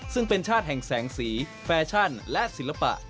ซึ่งเป็นชาติแห่งแสงสีแฟชั่นและศิลปะ